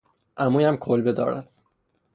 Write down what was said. عمویم کلبه دارد.